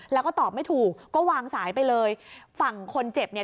แล้วก็ตอบไม่ถูกก็วางสายไปเลยฝั่งคนเจ็บเนี่ย